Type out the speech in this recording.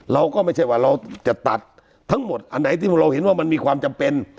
เราก็ไม่ใช่ว่าเราจะตัดทั้งหมดอันไหนที่พวกเราเห็นว่ามันมีความจำเป็น